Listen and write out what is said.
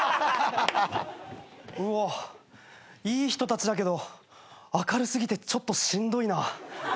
うわっいい人たちだけど明るすぎてちょっとしんどいな。